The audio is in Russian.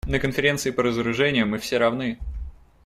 На Конференции по разоружению мы все равны.